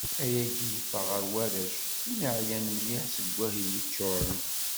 Ayagi yeffeɣ ɣef warrac, imi εyan mliḥ seg wahil yeččuṛen.